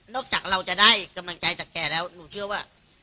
จากเราจะได้กำลังใจจากแกแล้วหนูเชื่อว่า